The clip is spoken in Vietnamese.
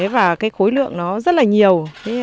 và cái khối lượng nó rất là nhiều